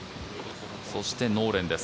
そしてノーレンです。